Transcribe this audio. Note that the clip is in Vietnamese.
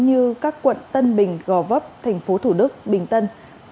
như các quận tân bình gò vấp tp thủ đức bình tân